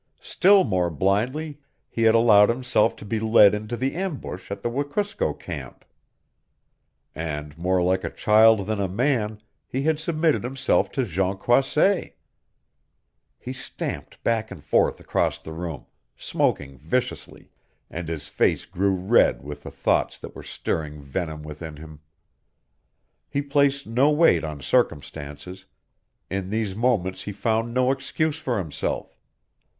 Still more blindly he had allowed himself to be led into the ambush at the Wekusko camp. And more like a child than a man he had submitted himself to Jean Croisset! He stamped back and forth across the room, smoking viciously, and his face grew red with the thoughts that were stirring venom within him. He placed no weight on circumstances; in these moments he found no excuse for himself.